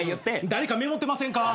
誰かメモってませんか？